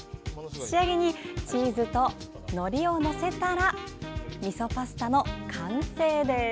仕上げにチーズとのりを載せたらみそパスタの完成です。